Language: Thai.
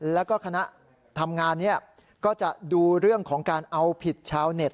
แล้วก็คณะทำงานนี้ก็จะดูเรื่องของการเอาผิดชาวเน็ต